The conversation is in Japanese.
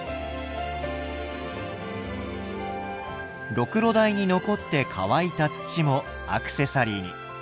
ろくろ台に残って乾いた土もアクセサリーに。